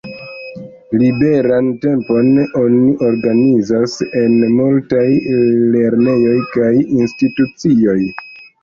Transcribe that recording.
Liberan tempon oni organizas en multaj lernejoj kaj institucioj.